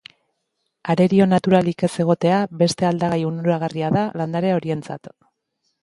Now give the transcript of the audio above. Arerio naturalik ez egotea beste aldagai onuragarria da landare horientzat.